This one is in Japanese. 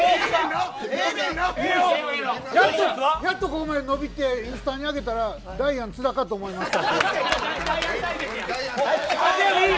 やっとここまで伸びて上に上げたらダイアン津田かと思いました。